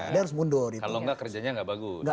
dia harus mundur kalau enggak kerjanya enggak bagus